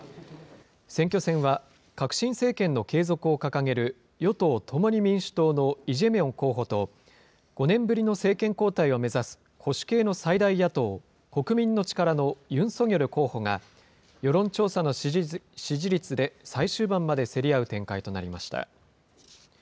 選挙戦は、革新政権の継続を掲げる与党・共に民主党のイ・ジェミョン候補と、５年ぶりの政権交代を目指す、保守系の最大野党・国民の力のユン・ソギョル候補が、世論調査の支持率で最終盤まで競り合う展開となりました。